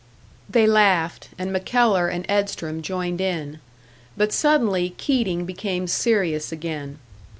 They laughed, and MacKellar and Edstrom joined in. But suddenly Keating became serious again.